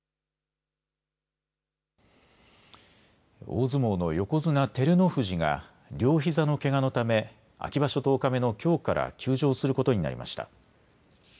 大相撲の横綱・照ノ富士が両ひざのけがのため秋場所１０日目のきょうから休場することになりました。